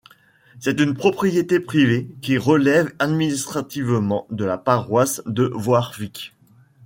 C'est une propriété privée qui relève administrativement de la paroisse de Warwick.